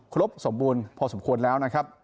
ครบสมบูรณ์พอสมควรแล้วนะครับ